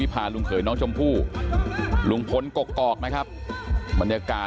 เอาล่ะเดี๋ยวท่านดูหน่อยกันละกันนะครับ